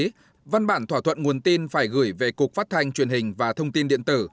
trong khi văn bản thỏa thuận nguồn tin phải gửi về cục phát thanh truyền hình và thông tin điện tử